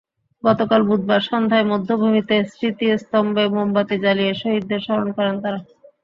গতকাল বুধবার সন্ধ্যায় বধ্যভূমির স্মৃতিস্তম্ভে মোমবাতি জ্বালিয়ে শহীদদের স্মরণ করেন তাঁরা।